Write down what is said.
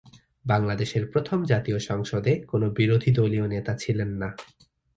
বাংলাদেশের প্রথম জাতীয় সংসদে কোন বিরোধী দলীয় নেতা ছিলেন না।